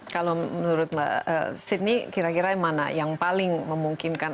kalau menurut sidney kira kira mana yang paling memungkinkan